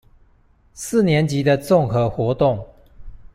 四年級的綜合活動